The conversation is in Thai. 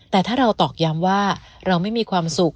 แต่ถ้าเราตอกย้ำว่าเราไม่มีความสุข